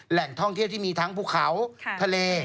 แหล่งท่องเที่ยวที่มีทั้งภูเขาทะเล